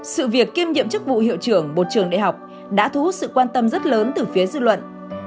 sự việc kiêm nhiệm chức vụ hiệu trưởng một trường đại học đã thu hút sự quan tâm rất lớn từ phía dư luận